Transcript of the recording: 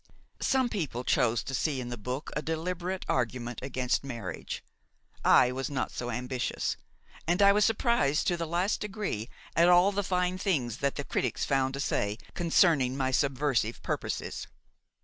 Some people chose to see in the book a deliberate argument against marriage. I was not so ambitious, and I was surprised to the last degree at all the fine things that the critics found to say concerning my subversive purposes.